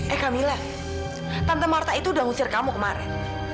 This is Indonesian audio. eh kamila tante marta itu udah ngusir kamu kemarin